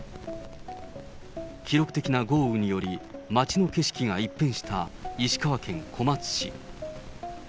記録的な豪雨により、街の景色が一変した石川県小松市。